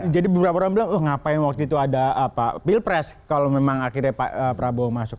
jadi beberapa orang bilang oh ngapain waktu itu ada apa pilpres kalau memang akhirnya pak prabowo masuk